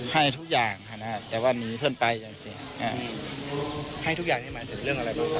ให้ทุกอย่างนี่หมายถึงเรื่องอะไรบ้างครับ